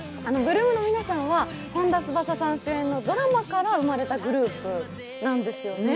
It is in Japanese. ８ＬＯＯＭの皆さんは本田翼さん主演のドラマから生まれたグループなんですよね？